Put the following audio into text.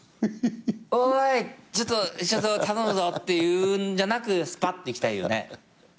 おいちょっと頼むぞっていうんじゃなくスパッと逝きたいよね。